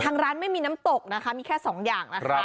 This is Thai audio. ทางร้านไม่มีน้ำตกนะคะมีแค่สองอย่างนะคะ